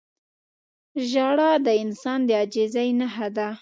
• ژړا د انسان د عاجزۍ نښه ده.